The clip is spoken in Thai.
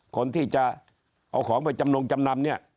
คนที่จะเอาของไปจำนงจำนำเนี่ย